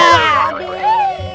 waduh jadi ini nih pelakunya